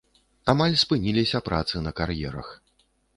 Амаль спыніліся працы на кар'ерах.